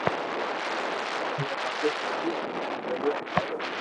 تمي مالڪ ڪوئي زريعو ھڻاوہ